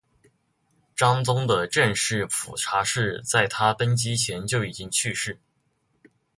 章宗的正室蒲察氏在他登基前就已经去世。